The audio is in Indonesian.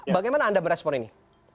bagaimana anda merespon ini